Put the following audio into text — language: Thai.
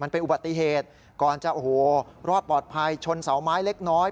เป็นอุบัติเหตุก่อนจะโอ้โหรอดปลอดภัยชนเสาไม้เล็กน้อย